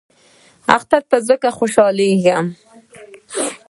اختر ته ځکه خوشحالیږم .